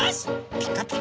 「ピカピカブ！」